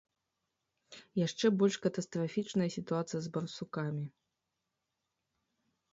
Яшчэ больш катастрафічная сітуацыя з барсукамі.